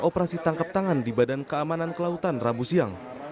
operasi tangkap tangan di badan keamanan kelautan rabu siang